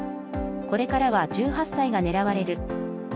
これからは１８歳が狙われる！